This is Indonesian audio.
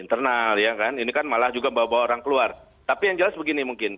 orang keluar tapi yang jelas begini mungkin